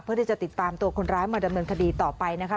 เพื่อที่จะติดตามตัวคนร้ายมาดำเนินคดีต่อไปนะคะ